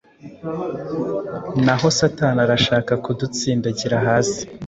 naho Satani arashaka kudutsindagira hasi.